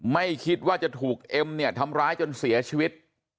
ไม่คิดว่าจะถูกเอ็มเนี่ยทำร้ายจนเสียชีวิต